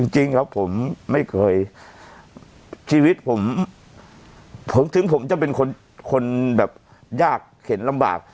จริงครับผมไม่เคยชีวิตผมผมถึงผมจะเป็นคนแบบยากเข็นลำบาก